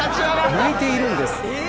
泣いているんです。